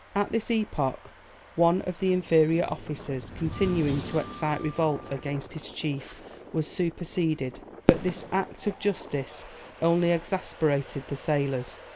At this epoch, one of the inferior officers, continuing to excite revolt against his chief, was superseded; but this act of justice only exasperated the sailors.